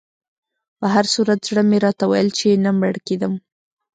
په هر صورت زړه مې راته ویل چې نه مړ کېدم.